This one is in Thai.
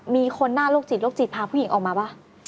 มีคนหน้าโรคจิตโรคจิตพาผู้หญิงออกมาป่ะ